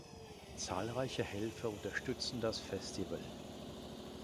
Zahlreiche Helfer unterstützen das Festival.